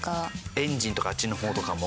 エンジンとかあっちの方とかも？